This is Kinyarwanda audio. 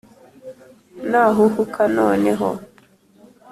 Nahuhuka noneho